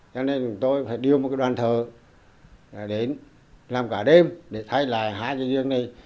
cho nên chúng tôi phải điều một đoàn thờ đến làm cả đêm để thay lại hai cái giường này